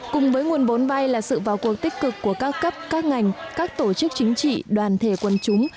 cùng với nguồn vốn vay là sự vào cuộc tích cực của các cấp các ngành các tổ chức chính trị đoàn thể quân chúng